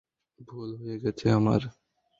ভুল হয়ে গেছে আমার।